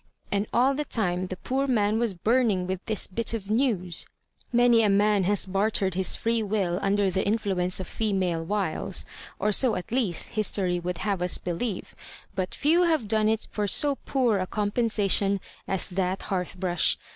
And all the time the poor man was burning with this bit of news. Many a man has bartered his f^ will under the in fluence of female wiles, or so at least history would haye us belieye ; but few haye done it for so poor a compensation as that hearth brush.